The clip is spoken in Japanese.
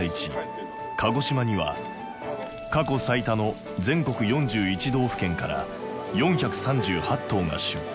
鹿児島には過去最多の全国４１道府県から４３８頭が出品。